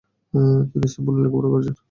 তিনি ইস্তানবুলে লেখাপড়া করেছেন।